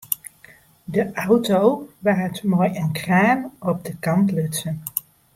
De auto waard mei in kraan op de kant lutsen.